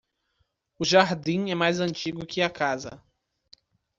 O jardim é mais antigo que a casa.